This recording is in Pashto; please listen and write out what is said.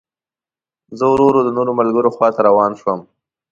زه ورو ورو د نورو ملګرو خوا ته روان شوم.